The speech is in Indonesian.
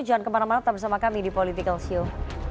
jangan kemana mana tetap bersama kami di political show